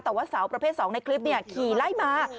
แต่ว่าสาวประเภท๒ในคลิปขี่ไล่มา